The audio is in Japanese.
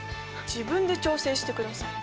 自分で調整してください。